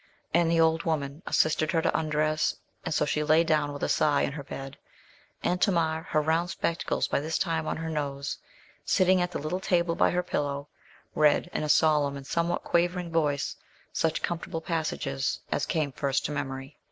And the old woman assisted her to undress, and so she lay down with a sigh in her bed. And Tamar, her round spectacles by this time on her nose, sitting at the little table by her pillow, read, in a solemn and somewhat quavering voice, such comfortable passages as came first to memory.